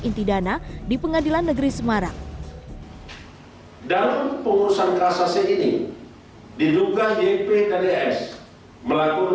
inti dana di pengadilan negeri semarang dalam pengurusan kasasi ini di duga ypkds melakukan